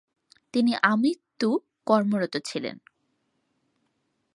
তিনি আমৃত্যু কর্মরত ছিলেন।